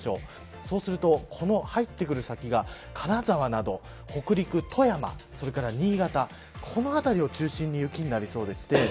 そうするとこの入ってくる先が、金沢など北陸富山、それから新潟この辺りを中心に雪になりそうです。